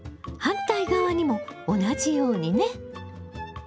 反対側にも同じようにね。